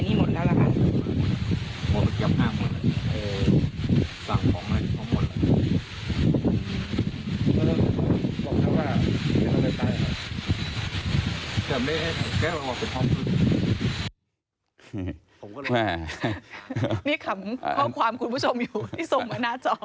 นี่ขำข้อความคุณผู้ชมอยู่ที่ส่งมาหน้าจอ